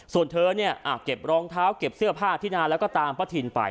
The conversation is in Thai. ส่วนเธอเนี่ยเก็บรองเท้าเก็บเสื้อผ้าที่นาแล้วก็ตามป้าทินไป